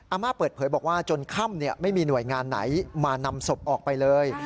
อาม่าเปิดเผยบอกว่าจนค่ำไม่มีหน่วยงานไหนมานำศพออกไปเลย